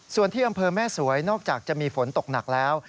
ส่วนที่อำเภอแม่สวยนอกจากจะมีฝนตกหนักแล้ว